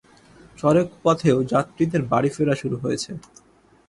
সড়কপথেও যাত্রীদের বাড়ি ফেরা শুরু হয়েছে।